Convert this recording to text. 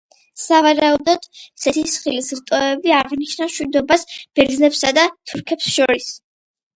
სავარაუდოდ, ზეთისხილის რტოები აღნიშნავს მშვიდობას ბერძნებსა და თურქებს შორის.